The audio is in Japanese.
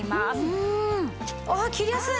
うわ切りやすい！